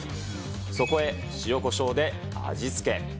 そこへ塩こしょうで味付け。